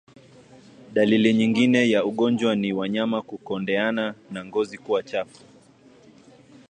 Dalili nyingine ya ugonjwa ni wanyama kukondeana na ngozi kuwa chafu